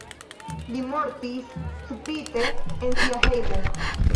Li mortis subite en sia hejmo.